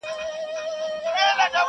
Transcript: د پنیر ټوټه ترې ولوېده له پاسه؛